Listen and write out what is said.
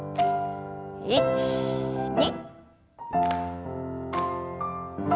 １２。